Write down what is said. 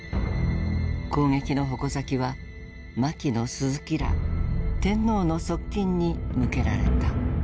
攻撃の矛先は牧野・鈴木ら天皇の側近に向けられた。